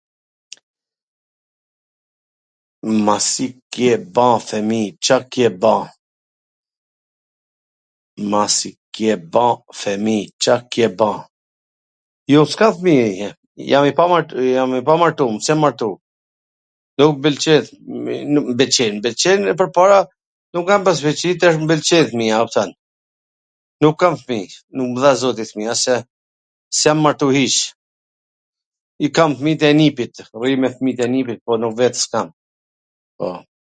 Masi ke pa femij, Ca ke ba? Jo s kam fmij, jam i pamartu, jam i pamartum, s jam martu. Nuk m pwlqen... m pwlqen, m pwlqen mw pwrpara kur kam pas shpres pwr fmi, tani m pwlqen fmija... a m kupton? Nuk kam fmij, nuk mw dha zoti fmij, ase, s jam mart hiC, i kam fmijt e nipit, rri me fmijt e nipit, po, un vet s kam, po.